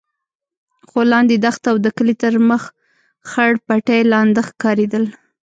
خو لاندې دښته او د کلي تر مخ خړ پټي لانده ښکارېدل.